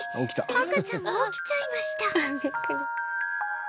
赤ちゃんも起きちゃいました